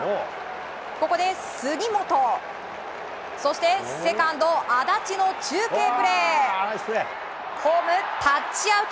ここで杉本そしてセカンド安達の中継プレーホーム、タッチアウト！